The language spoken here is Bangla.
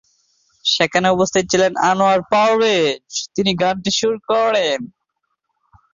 সেখানে উপস্থিত ছিলেন আনোয়ার পারভেজ, তিনি গানটি সুর করেন।